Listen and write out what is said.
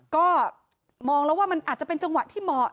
ก็มองแล้วว่ามันอาจจะเป็นจังหวะที่เหมาะ